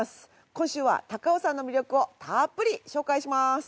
今週は高尾山の魅力をたーっぷり紹介します。